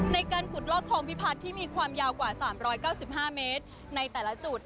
ในการขุดลอกทองพิพัฒน์ที่มีความยาวกว่า๓๙๕เมตรในแต่ละจุด